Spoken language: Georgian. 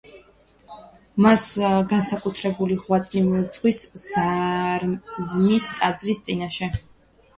მას განსაკუთრებული ღვაწლი მიუძღვის ზარზმის ტაძრის წინაშე.